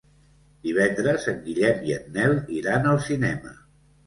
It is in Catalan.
Divendres en Guillem i en Nel iran al cinema.